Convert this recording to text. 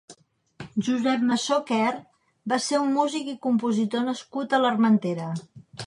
Josep Masó Quer va ser un músic i compositor nascut a l'Armentera.